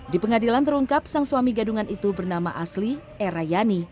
di pengadilan terungkap sang suami gadungan itu bernama asli erayani